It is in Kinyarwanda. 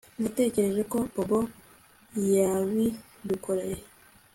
Natekereje ko Bobo yabidukoreye